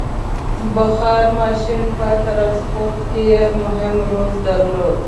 • بخار ماشین په ټرانسپورټ کې مهم رول درلود.